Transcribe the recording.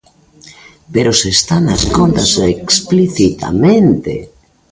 ¡Pero se está nas contas explicitamente!